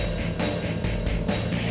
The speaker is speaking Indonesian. situ yang telepon